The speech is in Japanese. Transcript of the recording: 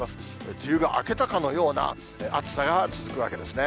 梅雨が明けたかのような暑さが続くわけですね。